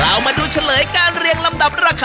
เรามาดูเฉลยการเรียงลำดับราคา